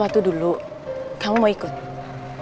aku akan mencari cherry